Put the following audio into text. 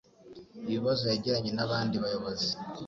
ibabazo yagiranye n'abandi bayobozi